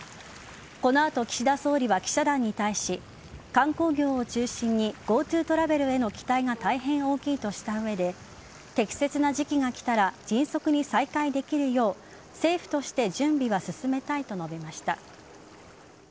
この後、岸田総理は記者団に対し観光業を中心にＧｏＴｏトラベルへの期待が大変大きいとした上で適切な時期がきたら迅速に再開できるよう政府として準備は進めたいと述べました。